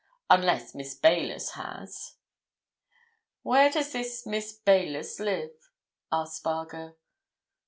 Unless Miss Baylis has." "Where does this Miss Baylis live?" asked Spargo.